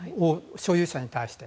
所有者に対して。